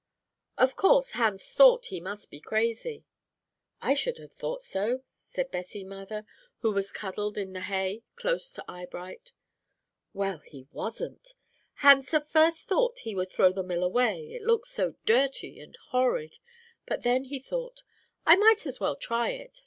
"Of course Hans thought he must be crazy." "I should have thought so," said Bessie Mather, who was cuddled in the hay close to Eyebright. "Well, he wasn't! Hans at first thought he would throw the mill away, it looked so dirty and horrid, but then he thought, 'I might as well try it.